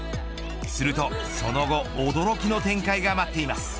するとその後驚きの展開が待っています。